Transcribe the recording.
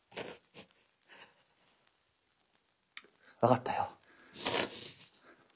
分かったよ。